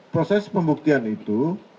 proses pembuktian itu